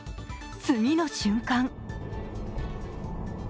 次の瞬間